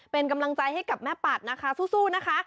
เป็นกำลังใจให้กับแม่ปัดนะคะสู้นะคะ